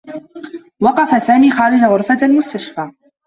وقف سامي خارج غرفة المستشفى.